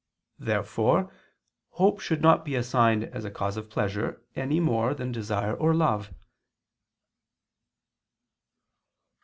Therefore hope should not be assigned as a cause of pleasure, any more than desire or love.